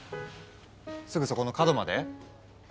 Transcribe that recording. すぐそこの角まで。